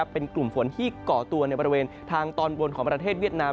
เป็นกลุ่มฝนที่ก่อตัวในบริเวณทางตอนบนของประเทศเวียดนาม